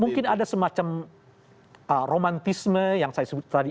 mungkin ada semacam romantisme yang saya sebut tadi